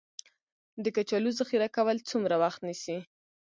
د کچالو ذخیره کول څومره وخت نیسي؟